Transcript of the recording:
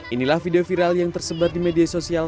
inilah video viral yang tersebar di media sosial